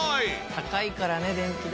高いからね電気代。